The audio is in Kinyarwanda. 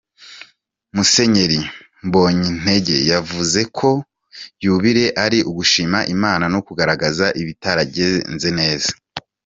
Musenyeri Mbonyintege yavuze ko yubile ari ugushima Imana no kugaragaza ibitaragenze neza.